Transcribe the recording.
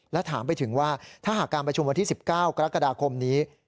และถามไปถึงว่าถ้าหากการประชุมวันที่๑๙กรกฎาคมนี้